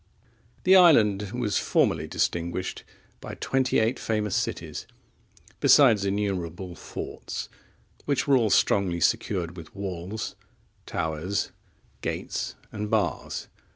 The island was formerly distinguished by twenty eight famous cities, besides innumerable forts, which were all strongly secured with walls, towers, gates, and bars.